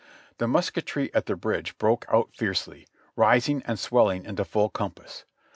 The musketry at the bridge broke out fiercely, rising and swelling into full compass.